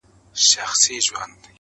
• نن: سیاه پوسي ده.